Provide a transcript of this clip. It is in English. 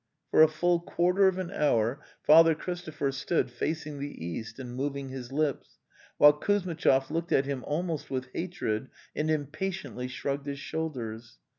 For a full quarter of an hour Father Christopher stood facing the east and moving his lips, while Kuz mitchov looked at him almost with hatred and im patiently shrugged his shoulders.